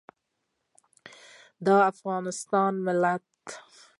د افغانستان ملت